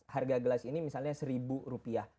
harga gelas ini misalnya seribu rupiah